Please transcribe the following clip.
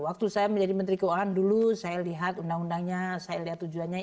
waktu saya menjadi menteri keuangan dulu saya lihat undang undangnya saya lihat tujuannya